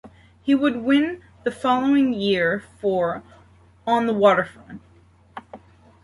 He would win the following year for "On the Waterfront".